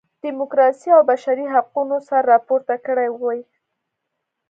ډیموکراسۍ او بشري حقونو سر راپورته کړی وای.